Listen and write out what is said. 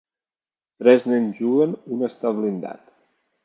Tres nens juguen un està blindat